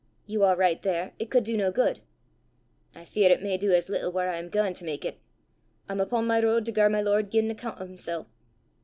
"You are right there: it could do no good." "I fear it may du as little whaur I am gaein' to mak it! I'm upo' my ro'd to gar my lord gie an accoont o' himsel'.